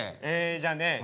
えじゃあね